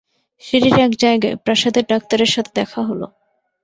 সিঁড়ির এক জায়গায়, প্রাসাদের ডাক্তারের সাথে দেখা হল।